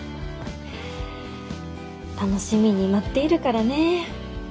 楽しみに待っているからね。